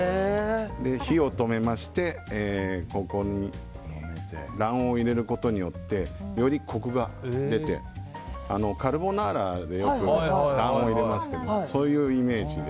火を止めましてここに卵黄を入れることによってよりコクが出てカルボナーラでよく卵黄を入れますけどそういうイメージで。